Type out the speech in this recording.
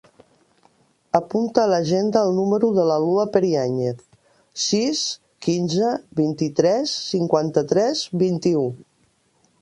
Apunta a l'agenda el número de la Lua Periañez: sis, quinze, vint-i-tres, cinquanta-tres, vint-i-u.